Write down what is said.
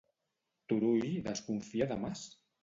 Turull desconfia de Mas?